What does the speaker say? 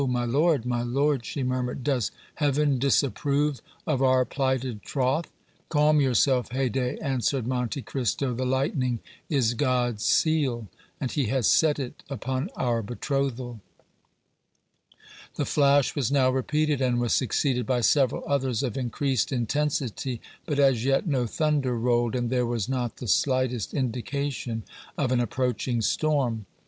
my lord, my lord," she murmured, "does Heaven disapprove of our plighted troth?" "Calm yourself, Haydée," answered Monte Cristo. "The lightning is God's seal, and He has set it upon our betrothal." The flash was now repeated and was succeeded by several others of increased intensity, but as yet no thunder rolled and there was not the slightest indication of an approaching storm.